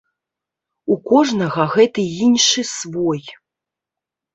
У кожнага гэты іншы свой.